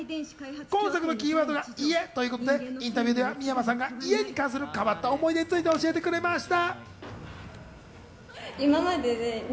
今作のキーワードが家ということでインタビューでは美山さんが家に関する思い出を教えてくれました。